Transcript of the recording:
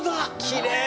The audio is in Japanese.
きれい！